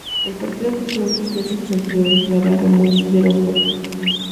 El partido fue como otros clásicos anteriores: trabado, muchas piernas fuertes.